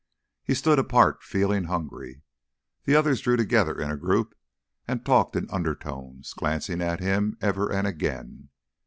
He stood apart, feeling hungry. The others drew together in a group and talked in undertones, glancing at him ever and again.